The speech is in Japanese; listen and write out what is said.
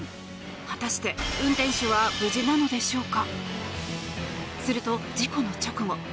果たして、運転手は無事なのでしょうか。